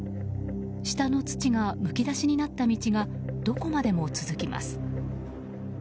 下の土がむき出しになった道がどこまでも続きます。